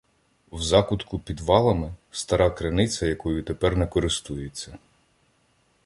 В закутку підвалами — стара криниця, якою тепер не користуються.